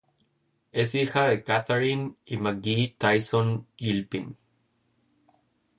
Es hija de Catharine y McGhee Tyson Gilpin.